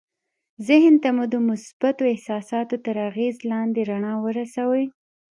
ذهن ته مو د مثبتو احساساتو تر اغېز لاندې رڼا ورسوئ